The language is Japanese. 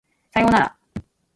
左様なら